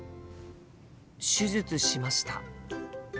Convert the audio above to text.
手術しました。